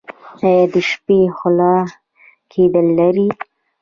ایا د شپې خوله کیدل لرئ؟